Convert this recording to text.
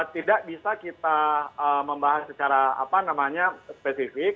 tidak bisa kita membahas secara spesifik